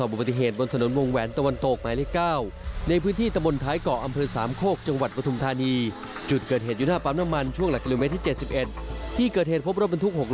อุบัติไหว้อาทิตย์ให้ไม่ตกเกลือน